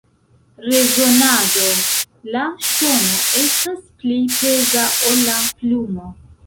Rezonado: La ŝtono estas pli peza ol la plumo.